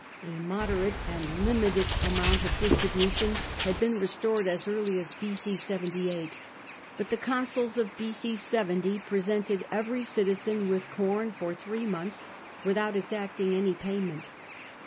A moderate and limited amount of distribution had been restored as early as B.c. 78. But the consuls of B.c. 70 presented every citizen with corn for three months without exacting any payment.